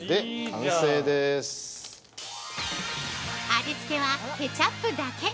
◆味付けは、ケチャップだけ。